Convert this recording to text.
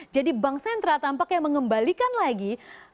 jadi bank sentral tampaknya mengembalikan lagi